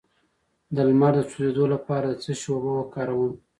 د لمر د سوځیدو لپاره د څه شي اوبه وکاروم؟